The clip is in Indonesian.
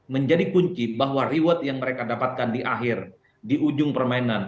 menjadi kunci bahwa reward yang mereka dapatkan di akhir di ujung permainan